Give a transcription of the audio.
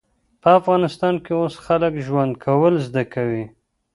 په افغانستان کې اوس خلک ژوند کول زده کوي